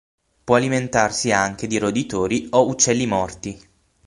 Può alimentarsi anche di roditori o uccelli morti.